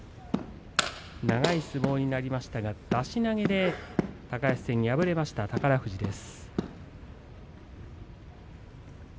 長い相撲になりましたが出し投げで高安に敗れている宝富士です。